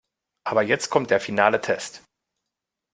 Aber jetzt kommt der finale Test.